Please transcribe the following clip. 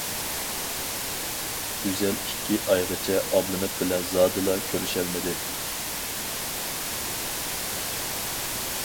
گۈزەل ئىككى ئايغىچە ئابلىمىت بىلەن زادىلا كۆرۈشەلمىدى.